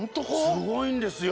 すごいんですよ。